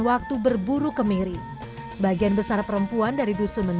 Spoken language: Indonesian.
waktu berburu kemiri